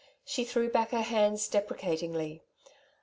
"She threw back her hands deprecatingly.